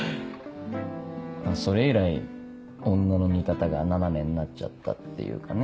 それ以来女の見方が斜めになっちゃったっていうかね。